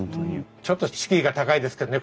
ちょっと敷居が高いですけどね